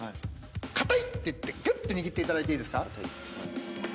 固いって言ってぐって握っていただいていいですか。